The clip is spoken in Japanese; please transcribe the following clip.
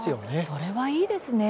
それはいいですね。